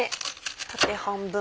縦半分。